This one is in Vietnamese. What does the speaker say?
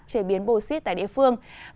chế biến bosit tại địa phương